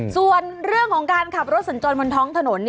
ส่วนเรื่องของการขับรถสัญจรบนท้องถนน